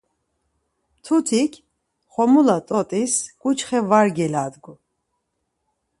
Mtutik xomula t̆ot̆is ǩuçxe var geladgu.